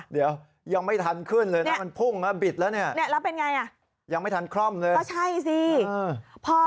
เดี๋ยวยังไม่ทันขึ้นเลยนั่งมันพุ่งบิดแล้วเนี่ย